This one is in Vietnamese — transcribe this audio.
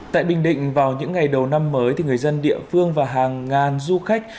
tại bình định vào những ngày đầu năm mới thì người dân địa phương và hàng ngàn du khách